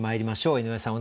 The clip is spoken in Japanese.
井上さん